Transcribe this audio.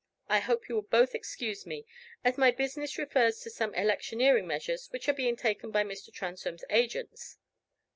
I hope you will both excuse me, as my business refers to some electioneering measures which are being taken by Mr. Transome's agents."